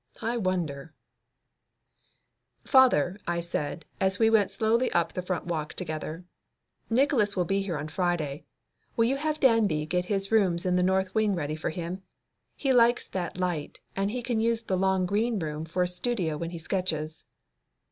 I wonder "Father," I said, as we went slowly up the front walk together, "Nickols will be here on Friday; will you have Dabney get his rooms in the north wing ready for him? He likes that light, and he can use the long green room for a studio when he sketches."